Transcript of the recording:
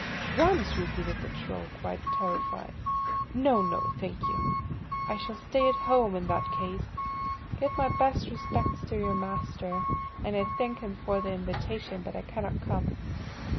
"Drums!" repeated the troll, quite terrified. "No, no! Thank you. I shall stay at home in that case. Give my best respects to your master, and I thank him for the invitation, but I cannot come.